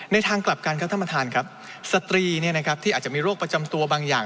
ทางกลับกันครับท่านประธานครับสตรีที่อาจจะมีโรคประจำตัวบางอย่าง